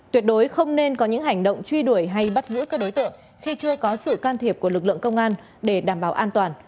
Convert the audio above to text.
tuyệt đối không nên có những hành động truy đuổi hay bắt giữ các đối tượng khi chưa có sự can thiệp của lực lượng công an để đảm bảo an toàn